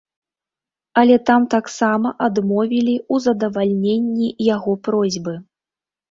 Але там таксама адмовілі ў задавальненні яго просьбы.